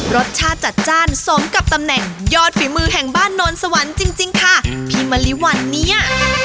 รสชาติจัดจ้านสมกับตำแหน่งยอดฝีมือแห่งบ้านโนนสวรรค์จริงจริงค่ะพี่มะลิวัลเนี่ย